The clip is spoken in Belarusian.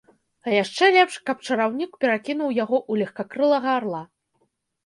А яшчэ лепш, каб чараўнік перакінуў яго ў легкакрылага арла.